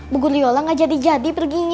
bu guliyola nggak jadi jadi perginya